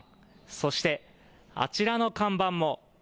そしてあちらの看板も。